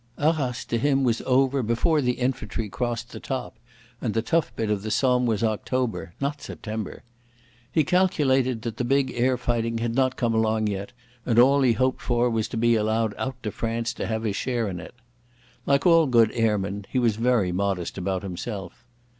Arras to him was over before the infantry crossed the top, and the tough bit of the Somme was October, not September. He calculated that the big air fighting had not come along yet, and all he hoped for was to be allowed out to France to have his share in it. Like all good airmen, too, he was very modest about himself.